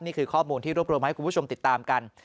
นี่คือข้อมูลที่รวบรวมให้คุณผู้ชมติดตามกัน